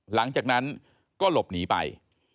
หลังจากนั้นก็หลบหนีไป